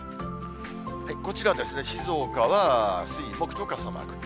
こちらですね、静岡は水、木と傘マーク。